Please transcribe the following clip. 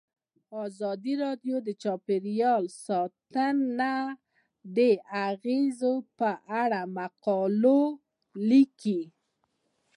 ازادي راډیو د چاپیریال ساتنه د اغیزو په اړه مقالو لیکلي.